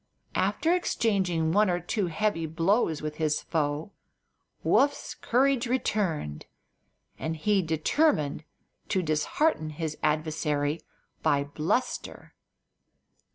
After exchanging one or two heavy blows with his foe Woof's courage returned, and he determined to dishearten his adversary by bluster.